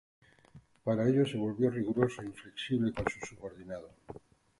Para ello se volvió riguroso e inflexible con sus subordinados.